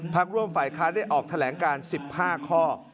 ร่วมฝ่ายค้านได้ออกแถลงการ๑๕ข้อ